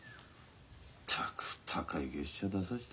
ったく高い月謝出させて。